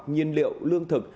nhiên liệu lương thực